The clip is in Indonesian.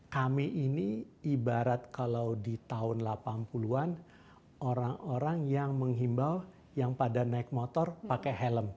kami ini ibarat kalau di tahun delapan puluh an orang orang yang menghimbau yang pada naik motor pakai helm